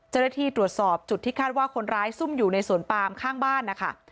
เจ้าหน้าที่ตรวจสอบจุดที่คาดว่าคนร้ายซุ่มอยู่ในสวนปามข้างบ้านนะคะ